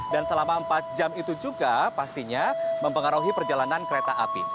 dan selama empat jam itu juga pastinya mempengaruhi perjalanan kereta api